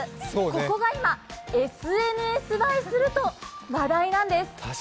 ここが今、ＳＮＳ映えすると話題なんです。